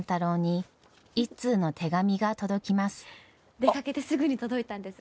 出かけてすぐに届いたんです。